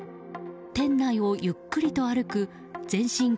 店内をゆっくりと歩く全身